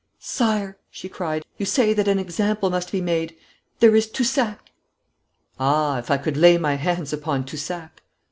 'Sire,' she cried. 'You say that an example must be made. There is Toussac !' 'Ah, if I could lay my hands upon Toussac!'